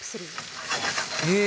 へえ。